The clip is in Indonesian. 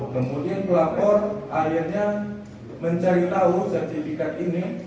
kemudian pelapor akhirnya mencari tahu sertifikat ini